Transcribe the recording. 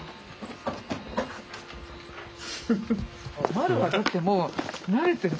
まるはだってもう慣れてる。